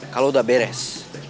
kalo udah beres